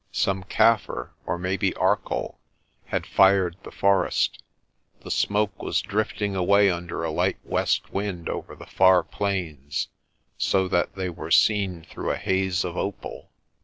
Some Kaffir or maybe Arcoll had fired the forest. The smoke was drifting away under a light west wind over the far plains, so that they were seen through a haze of opal.